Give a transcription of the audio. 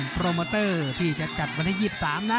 โปรโมเตอร์ที่จะจัดวันที่๒๓นะ